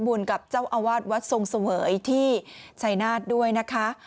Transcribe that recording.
กับเจ้าอาวาสวัดทรงเสวยที่ชัยนาธด้วยนะคะ